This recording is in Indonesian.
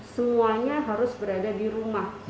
semuanya harus berada di rumah